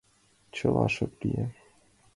Чыла шып лие.